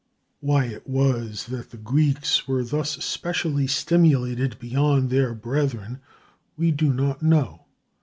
Why it was that the Greeks were thus specially stimulated beyond their brethren we do not know.